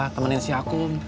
temenin si akung